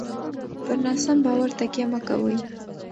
پر ناسم باور تکیه مه کوئ.